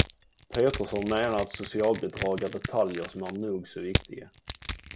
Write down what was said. Peterson menar att socialbidrag är detaljer som är nog så viktiga.